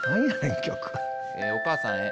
曲。お母さんへ。